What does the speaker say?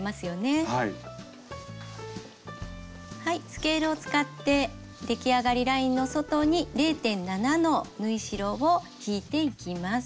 スケールを使ってできあがりラインの外に０．７の縫い代を引いていきます。